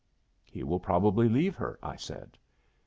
"He will probably leave her," I said.